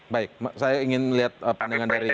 baik saya ingin lihat pandangan dari